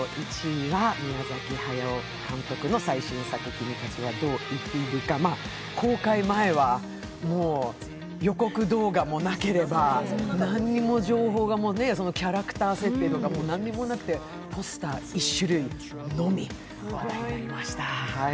「君たちはどう生きるか」、公開前はもう予告動画もなければ何も情報が、キャラクター設定とか何もなくてポスター１種類のみということで話題になりました。